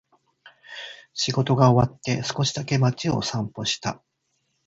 仕事が終わって、少しだけ街を散歩した。